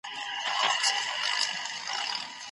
د ډیپلوماسۍ له لاري د وګړو پر وړاندې تبعیض نه کمېږي.